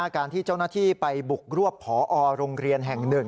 การที่เจ้าหน้าที่ไปบุกรวบพอโรงเรียนแห่ง๑